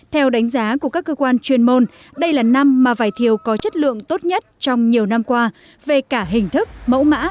theo đánh giá của các cơ quan chuyên môn đây là năm mà vải thiều có chất lượng tốt nhất trong nhiều năm qua về cả hình thức mẫu mã